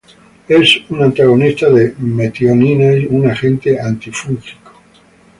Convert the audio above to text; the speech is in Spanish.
Es un antagonista de metionina y un agente antifúngico.